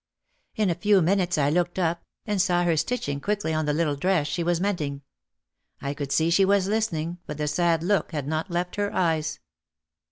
In a few minutes I looked up and saw her stitching quickly on the little dress she was mending. I could see she was listening but the sad look had not left her eyes.